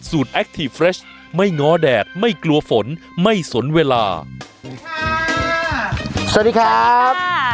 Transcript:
สูตรแอคที่เฟรชไม่ง้อแดดไม่กลัวฝนไม่สนเวลาสวัสดีครับ